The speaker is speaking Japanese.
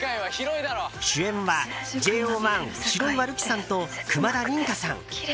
主演はＪＯ１、白岩瑠姫さんと久間田琳加さん。